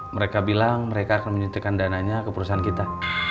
mereka bilang mereka akan menyuntikkan dananya ke perusahaan kita